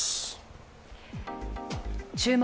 「注目！